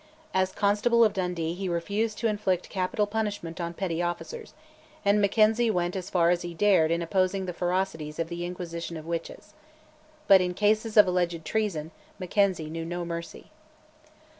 As constable of Dundee he refused to inflict capital punishment on petty offenders, and Mackenzie went as far as he dared in opposing the ferocities of the inquisition of witches. But in cases of alleged treason Mackenzie knew no mercy.